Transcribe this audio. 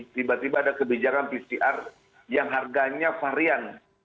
tiba tiba ada kebijakan pcr yang harganya varian